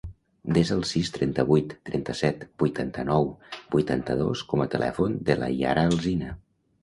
Desa el sis, trenta-vuit, trenta-set, vuitanta-nou, vuitanta-dos com a telèfon de la Yara Alsina.